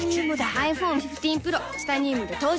ｉＰｈｏｎｅ１５Ｐｒｏ チタニウムで登場